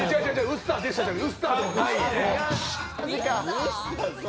ウスターでしたじゃない。